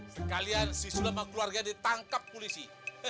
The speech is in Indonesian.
sekalian sisulam sama keluarga ditangkap polisi